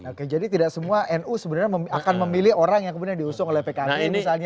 oke jadi tidak semua nu sebenarnya akan memilih orang yang kemudian diusung oleh pkb misalnya